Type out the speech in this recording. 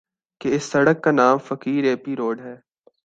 کہ اِس سڑک کا نام فقیر ایپی روڈ ہے